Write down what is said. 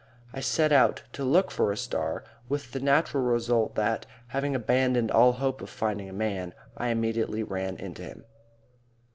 I set out to look for a star; with the natural result that, having abandoned all hope of finding a man, I immediately ran into him.